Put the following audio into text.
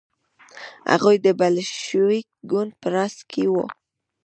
هغوی د بلشویک ګوند په راس کې وو.